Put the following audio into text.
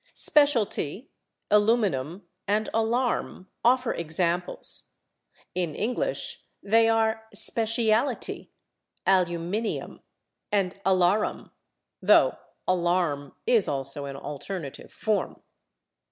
/Specialty/, /aluminum/ and /alarm/ offer examples. In English they are /speciality/, /aluminium/ and /alarum/, though /alarm/ is also an alternative form.